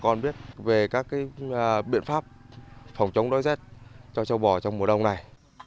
chúng tôi đã biết về các biện pháp phòng chống đối dết cho trâu bò trong mùa đông này